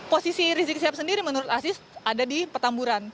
posisi rizik sihab sendiri menurut aziz ada di petamburan